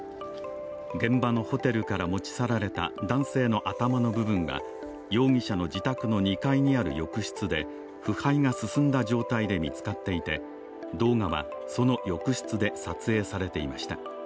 現場のホテルから持ち去られた男性の頭の部分は容疑者の自宅の２階にある浴室で腐敗が進んだ状態で見つかっていて動画はその浴室で撮影されていました。